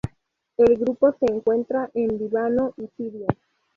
El grupo se encuentra en Líbano y Siria.